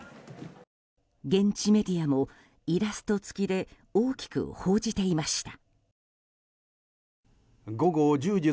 現地メディアもイラスト付きで大きく報じていました。